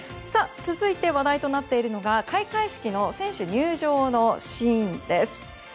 続いて、話題となっているのが開会式の選手入場のシーンです。